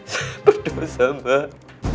saya berdosa mbak